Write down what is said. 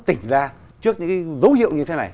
tỉnh ra trước những cái dấu hiệu như thế này